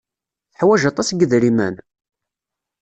Teḥwaj aṭas n yidrimen?